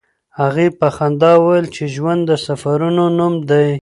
هغې په خندا وویل چې ژوند د سفرونو نوم دی.